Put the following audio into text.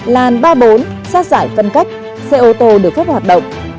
làn ba mươi bốn sát giải phân cách xe ô tô được phép hoạt động